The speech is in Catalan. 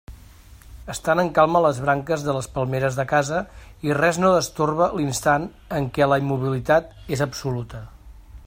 Estan en calma les branques de les palmeres de casa i res no destorba l'instant en què la immobilitat és absoluta.